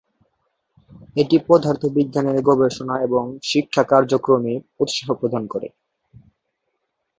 এটি পদার্থবিজ্ঞানের গবেষণা এবং শিক্ষা কার্যক্রমে উৎসাহ প্রদান করে।